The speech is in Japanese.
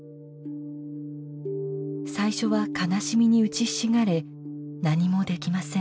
最初は悲しみに打ちひしがれ何もできません。